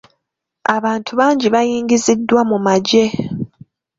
Abantu bangi baayingiziddwa mu magye.